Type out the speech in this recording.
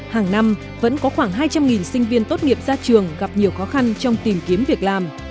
hàng năm vẫn có khoảng hai trăm linh sinh viên tốt nghiệp ra trường gặp nhiều khó khăn trong tìm kiếm việc làm